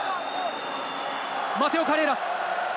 マテオ・カレーラス。